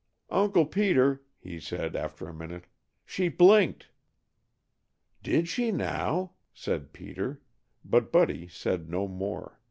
"Uncle Peter," he said, after a minute, "she blinked." "Did she, now?" said Peter, but Buddy said no more.